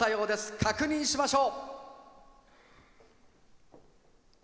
確認しましょう。